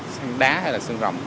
sang đá hay là xương rộng